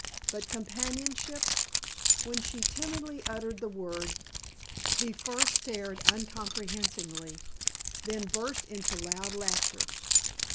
But companionship? When she timidly uttered the word, he first stared uncomprehendingly, then burst into loud laughter.